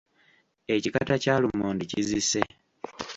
Ekikata kya lumonde kizise.